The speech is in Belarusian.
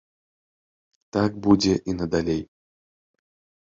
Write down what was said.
Так будзе і надалей.